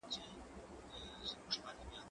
زه به سبا کالي وچوم وم!